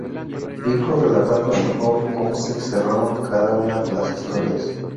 Vico relatando en off cómo se cerraron cada una de las historias.